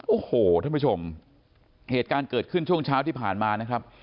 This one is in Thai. โอ้โหท่านผู้ชมเหตุการณ์เกิดขึ้นช่วงเช้าที่ผ่านมานะครับ